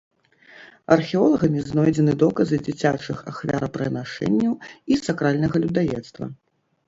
Археолагамі знойдзены доказы дзіцячых ахвярапрынашэнняў і сакральнага людаедства.